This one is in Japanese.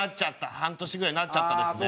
半年ぐらいなっちゃったですね。